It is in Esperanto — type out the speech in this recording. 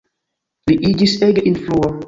Li iĝis ege influa.